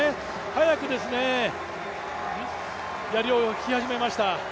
早くやりをひき始めました。